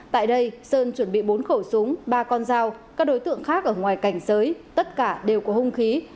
tại đây sơn chuẩn bị bốn khẩu súng ba con dao các đối tượng khác ở ngoài cảnh giới tất cả đều có hung khí